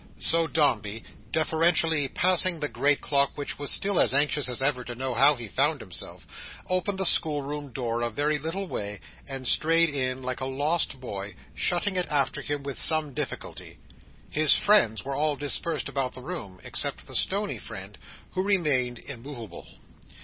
So Dombey, deferentially passing the great clock which was still as anxious as ever to know how he found himself, opened the schoolroom door a very little way, and strayed in like a lost boy: shutting it after him with some difficulty. His friends were all dispersed about the room except the stony friend, who remained immoveable.